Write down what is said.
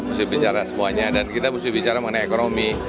mesti bicara semuanya dan kita mesti bicara mengenai ekonomi